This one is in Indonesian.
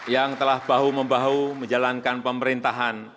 yang telah bahu membahu menjalankan pemerintahan